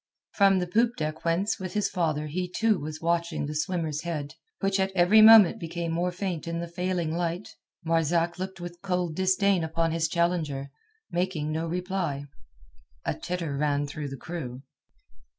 From the poop deck whence with his father he too was watching the swimmer's head, which at every moment became more faint in the failing light, Marzak looked with cold disdain upon his challenger, making no reply. A titter ran through the crew.